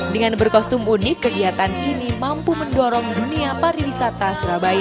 dengan berkostum unik kegiatan ini mampu mendorong dunia pariwisata surabaya